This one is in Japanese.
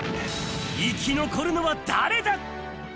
生き残るのは誰だ？